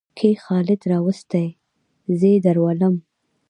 کې خالد راوستى؛ زې درولم.